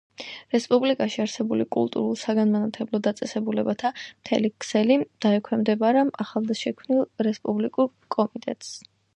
რესპუბლიკაში არსებული კულტურულ-საგანმანათლებლო დაწესებულებათა მთელი ქსელი დაექვემდებარა ახლადშექმნილ რესპუბლიკურ კომიტეტს.